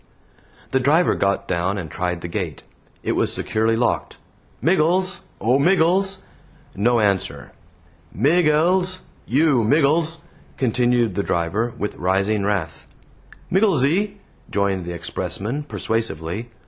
The driver got down and tried the gate. It was securely locked. "Miggles! O Miggles!" No answer. "Migg ells! You Miggles!" continued the driver, with rising wrath. "Migglesy!" joined the expressman, persuasively.